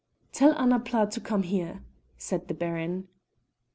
"Tell Annapla to come here," said the Baron.